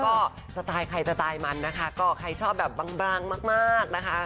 ก็สไตล์ใครสไตล์มันนะคะก็ใครชอบแบบบางมากนะคะ